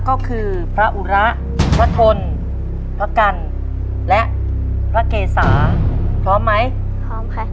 ก็คือพระอุระพระทนพระกันและพระเกษาพร้อมไหมพร้อมค่ะ